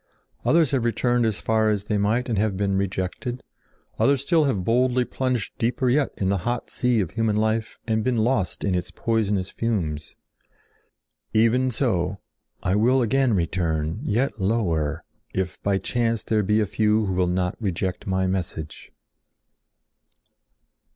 Others have returned as far as they might and have been rejected. Others still have boldly plunged deeper yet in the hot sea of human life and have been lost in its poisonous fumes. Even so, I will again return, yet lower, if by chance there be a few who will not reject my message."